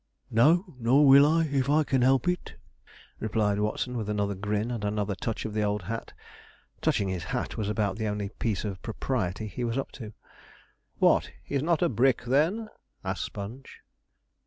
'No, nor will I, if I can help it,' replied Watson, with another grin and another touch of the old hat. Touching his hat was about the only piece of propriety he was up to. 'What, he's not a brick, then?' asked Sponge.